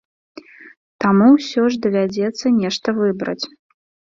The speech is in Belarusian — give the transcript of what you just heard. Таму ўсё ж давядзецца нешта выбраць.